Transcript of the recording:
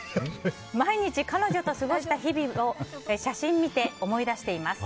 毎日彼女と過ごした日々を写真を見て思い出しています。